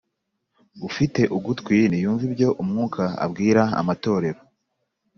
“Ufite ugutwi niyumve ibyo Umwuka abwira amatorero.